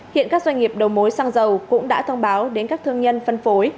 hiện các doanh nghiệp đầu mối xăng dầu cũng đã thông báo đến các thương nhân phân phối